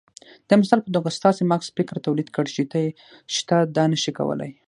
د مثال په توګه ستاسې مغز فکر توليد کړ چې ته دا نشې کولای.